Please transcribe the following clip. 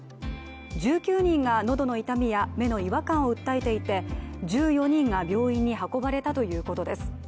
１９人が喉の痛みや目の違和感を訴えていて１４人が病院に運ばれたということです。